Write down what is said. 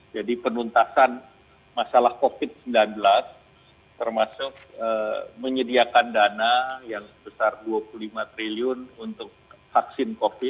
jadi penuntasan masalah covid sembilan belas termasuk menyediakan dana yang besar dua puluh lima triliun untuk vaksin covid